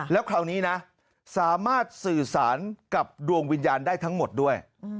แล้วคราวนี้นะสามารถสื่อสารกับดวงวิญญาณได้ทั้งหมดด้วย